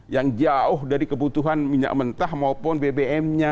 yang jauh dari kebutuhan minyak mentah maupun bbmnya